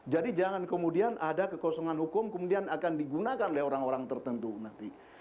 jadi jangan kemudian ada kekosongan hukum kemudian akan digunakan oleh orang orang tertentu nanti